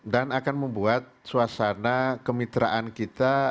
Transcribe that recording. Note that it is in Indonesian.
dan akan membuat suasana kemitraan kita